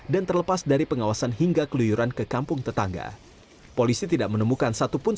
terlepas dari pengawasan hingga keluyuran ke kampung tetangga polisi tidak menemukan satupun